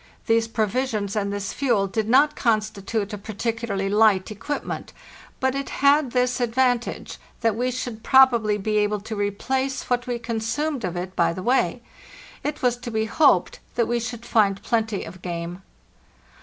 These provisions and this fuel did not constitute a particularly light equipment; but it had this advantage, that we should probably be able to replace what we consumed of it by the way. It was to be hoped that we should find plenty of game.